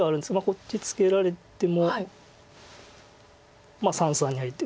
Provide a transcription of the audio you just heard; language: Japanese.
こっちツケられてもまあ三々に入って。